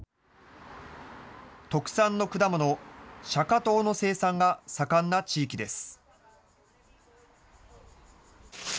特産の果物、シャカトウの生産が盛んな地域です。